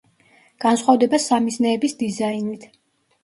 განსხვავდება სამიზნეების დიზაინით.